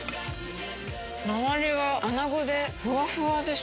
回りがアナゴでふわふわです。